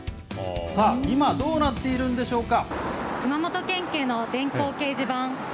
さあ、今、どうなっているんでしょうか。